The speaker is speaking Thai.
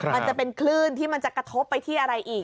มันจะเป็นคลื่นที่มันจะกระทบไปที่อะไรอีก